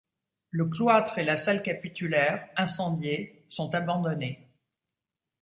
Le cloître et la salle capitulaire, incendiés, sont abandonnés.